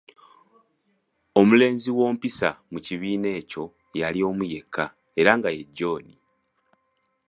Omulenzi w’ompisa mu kibiina ekyo yali omu yekka era nga ye John.